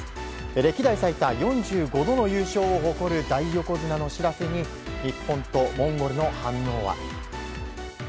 歴代最多４５度の優勝を誇る大横綱の知らせに日本とモンゴルの反応は？